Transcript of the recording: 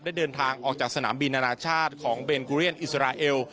ได้เดินทางออกจากสนามบินอนาชาติของเบนกุเรียนอิสราเอล